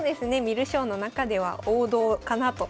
観る将の中では王道かなと思います。